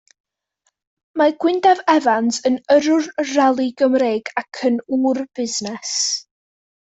Mae Gwyndaf Evans yn yrrwr rali Gymreig ac yn ŵr busnes.